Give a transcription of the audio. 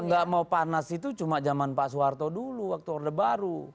yang tidak mau panas itu cuma zaman pak suharto dulu waktu orde baru